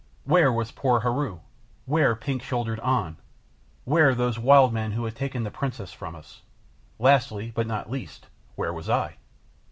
Where was poor Heru? Where pink shouldered An? Where those wild men who had taken the princess from us? Lastly, but not least, where was I?